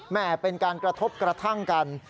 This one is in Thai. เป็นการกระทบกระทั่งกัน